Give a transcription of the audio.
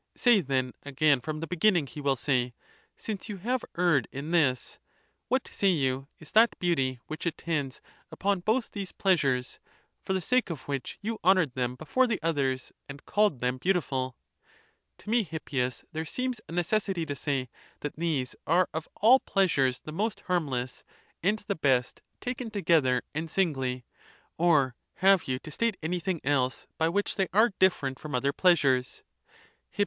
Say then again from the beginning, he will say, since you have erred in this, what, say you, is that beauty, which (attends) upon both these pleasures, for the sake of which you honoured them before the others, and called them beautiful? [54.] To me, Hippias, there seems a necessity to say, that these are of all pleasures the most harmless,? and the best, taken together and singly. Or have you to state any thing else, by which they are different from other pleasures ? Hip.